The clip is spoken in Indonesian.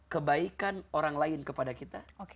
kebaikan orang lain kepada kita